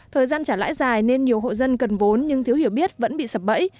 thời gian trả lãi dài nên nhiều hộ dân cần vốn nhưng thiếu hiểu biết vẫn bị sập bẫy